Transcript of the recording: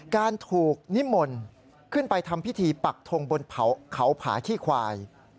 การถูกนิมนต์ขึ้นไปทำพิธีปักทงบนเขาผาขี้ควาย